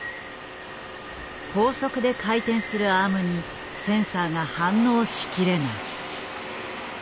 高速で回転するアームにセンサーが反応しきれない。